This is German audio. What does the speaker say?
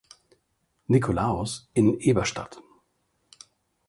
Nikolaos in Eberstadt.